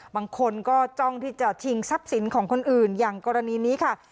บางคนก็จ้องที่จะชิงทรัพย์สินของคนอื่นอย่างกรณีนี้ค่ะ